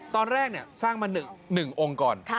ตอนแรกสร้างมา๑องค์ก่อน